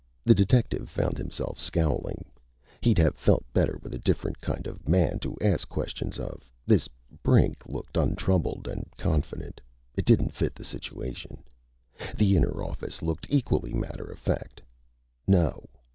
The detective found himself scowling. He'd have felt better with a different kind of man to ask questions of. This Brink looked untroubled and confident. It didn't fit the situation. The inner office looked equally matter of fact. No....